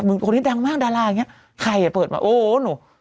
คนนี้ดังมากดาราอย่างเงี้ใครอ่ะเปิดมาโอ้หนู